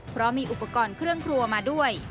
เพราะมีอุปกรณ์เครื่องครัวมาด้วย